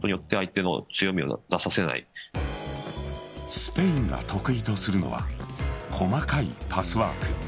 スペインが得意とするのは細かいパスワーク。